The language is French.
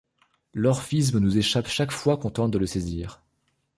L'orphisme nous échappe chaque fois qu'on tente de le saisir.